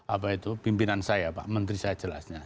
apa itu pimpinan saya pak menteri saya jelasnya